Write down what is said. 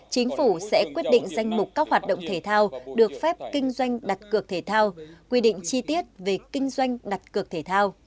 chính phủ sẽ quyết định danh mục các hoạt động thể thao được phép kinh doanh đặt cược thể thao quy định chi tiết về kinh doanh đặt cược thể thao